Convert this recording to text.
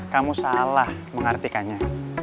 kamu salah mengartikannya